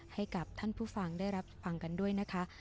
ให้กับท่านผู้ฟังได้รับฟังกันด้วยนะคะ